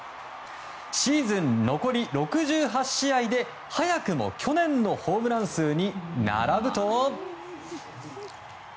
シーズン残り６８試合で早くも去年のホームラン数に並ぶと。